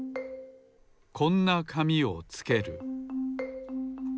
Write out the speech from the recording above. こんなかみをつける。